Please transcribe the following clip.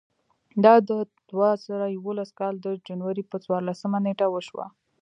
دا د دوه زره یولسم کال د جنورۍ پر څوارلسمه نېټه وشوه.